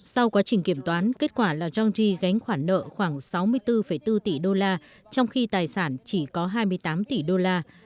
sau quá trình kiểm toán kết quả là geonggi gánh khoản nợ khoảng sáu mươi bốn bốn tỷ đô la trong khi tài sản chỉ có hai mươi tám tỷ đô la